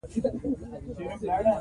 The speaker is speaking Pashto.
ننګرهار د افغانستان د زرغونتیا نښه ده.